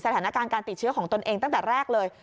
สถานการณ์การติดเชื้อของตนเองตั้งแต่แรกเลย